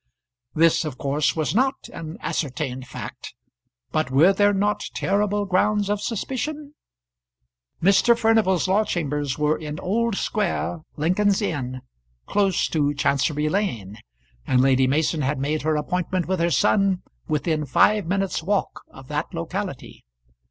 This of course was not an ascertained fact; but were there not terrible grounds of suspicion? Mr. Furnival's law chambers were in Old Square, Lincoln's Inn, close to Chancery Lane, and Lady Mason had made her appointment with her son within five minutes' walk of that locality.